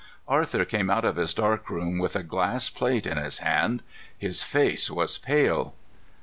Arthur came out of his dark room with a glass plate in his hand. His face was pale.